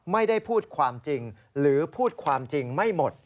ไม่ได้พูดความจริงหรือพูดความจริงไม่หมด